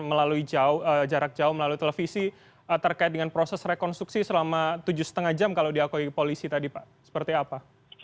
melalui jarak jauh melalui televisi terkait dengan proses rekonstruksi selama tujuh lima jam kalau diakui polisi tadi pak seperti apa